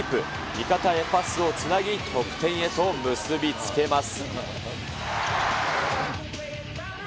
味方へパスをつなぎ、得点へと結び付けます。